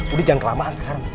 udah jangan kelamaan sekarang